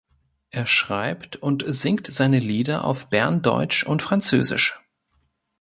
Er schreibt und singt seine Lieder auf Berndeutsch und Französisch.